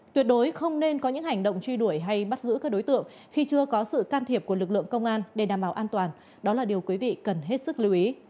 tuyệt đối không nên có những hành động truy đuổi hay bắt giữ các đối tượng khi chưa có sự can thiệp của lực lượng công an để đảm bảo an toàn đó là điều quý vị cần hết sức lưu ý